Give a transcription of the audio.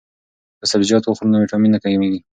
که سبزیجات وخورو نو ویټامین نه کمیږي.